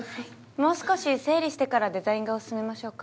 もう少し整理してからデザイン画を進めましょうか。